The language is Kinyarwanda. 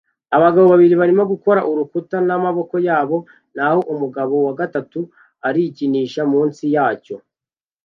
Abagabo babiri barimo gukora urukuta n'amaboko yabo naho umugabo wa gatatu arikinisha munsi yacyo